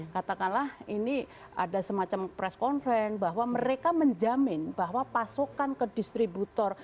katakanlah ini ada semacam press conference bahwa mereka menjamin bahwa pasokan ke distributor